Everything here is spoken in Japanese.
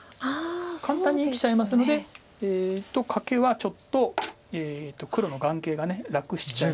簡単に生きちゃいますのでカケはちょっと黒の眼形が楽しちゃいますのでオシて。